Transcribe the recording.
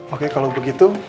oke kalau begitu